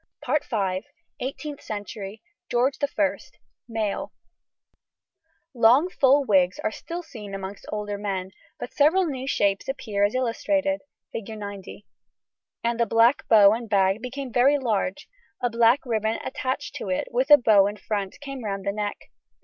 EIGHTEENTH CENTURY. GEORGE I. MALE. Long, full wigs are still seen amongst older men, but several new shapes appear as illustrated (Fig. 90), and the black bow and bag became very large; a black ribbon attached to it, with a bow in front, came round the neck.